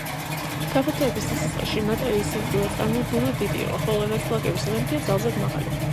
გაფართოების დასაწყისში მატერიის სიმკვრივე წარმოუდგენლად დიდი იყო, ხოლო ნაწილაკების ენერგია ძალზედ მაღალი.